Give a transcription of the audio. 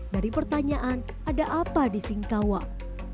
dari pertanyaan ada apa di singkawang